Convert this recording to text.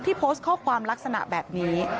โพสต์ข้อความลักษณะแบบนี้